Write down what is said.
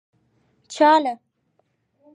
چا له.